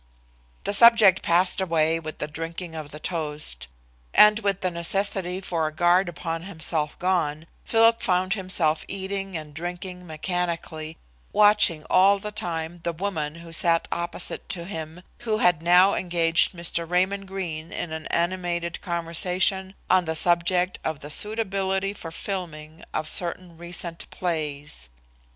The subject passed away with the drinking of the toast, and with the necessity for a guard upon himself gone, Philip found himself eating and drinking mechanically, watching all the time the woman who sat opposite to him, who had now engaged Mr. Raymond Greene in an animated conversation on the subject of the suitability for filming of certain recent plays.